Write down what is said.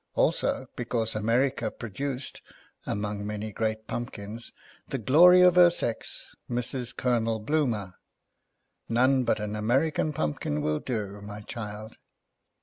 Also ; because America produced (among many great pump kins) the glory of her sex, Mrs. Colonel Bloomer. None but an American Pumpkin will do, my child."